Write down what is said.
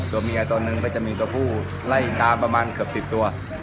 ตัวเมียตัวหนึ่งก็จะมีตัวผู้ไล่ตามประมาณเกือบ๑๐ตัว